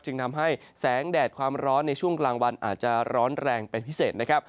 จึงทำให้แสงแดดความร้อนในช่วงกลางวันอาจจะร้อนแรงเป็นพิเศษนะครับ